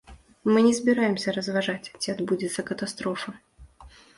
Мы не збіраемся разважаць, ці адбудзецца катастрофа.